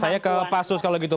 saya ke pasus kalau gitu